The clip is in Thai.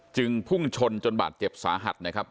พุ่งชนจนบาดเจ็บสาหัสนะครับ